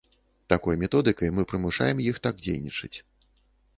Такой методыкай мы прымушаем іх так дзейнічаць.